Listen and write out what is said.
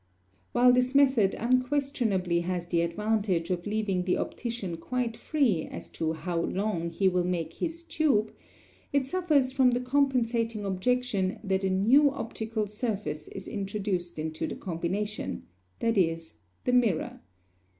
While this method unquestionably has the advantage of leaving the optician quite free as to how long he will make his tube, it suffers from the compensating objection that a new optical surface is introduced into the combination, viz., the mirror.